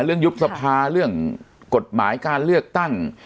เรื่องยุทธภาเรื่องกฎหมายทางเลือกตั้ง